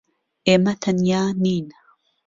ئێمە تەنیا نین.